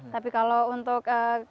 tapi kalau untuk